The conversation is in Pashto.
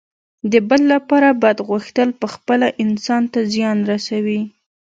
د بل لپاره بد غوښتل پخپله انسان ته زیان رسوي.